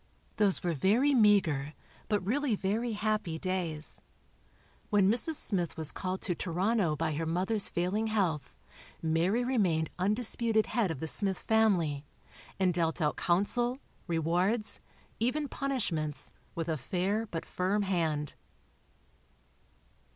Those were very meagre, but really very happy, days. When Mrs. Smith was called to Toronto by her mother's failing health, Mary remained undisputed head of the Smith family, and dealt out counsel, rewards, even punishments, with a fair but firm hand.